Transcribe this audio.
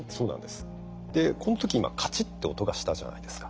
この時今カチッて音がしたじゃないですか。